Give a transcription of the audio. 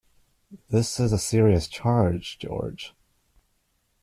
This is a serious charge, George.